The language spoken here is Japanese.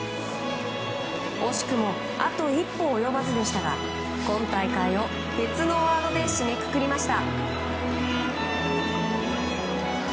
惜しくもあと一歩及ばずでしたが今大会を別のワードで締めくくりました。